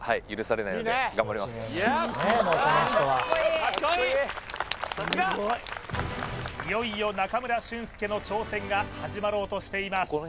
いよいよ中村俊輔の挑戦が始まろうとしています